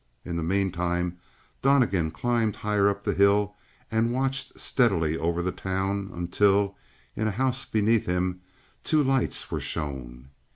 In the meantime, Donnegan climbed higher up the hill and watched steadily over the town until, in a house beneath him, two lights were shown.